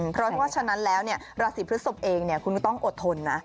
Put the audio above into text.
เพราะว่าฉะนั้นแล้วเนี่ยราศีพฤษมเองเนี่ยคุณต้องอดทนนะ